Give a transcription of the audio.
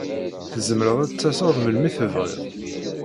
Tzemred ad d-tased melmi tebɣid.